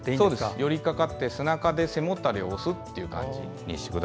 寄りかかって背中で背もたれを押す感じです。